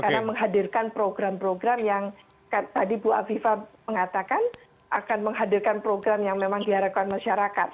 karena menghadirkan program program yang tadi bu aviva mengatakan akan menghadirkan program yang memang diharapkan masyarakat